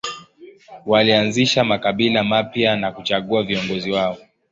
Walianzisha makabila mapya na kuchagua viongozi wao.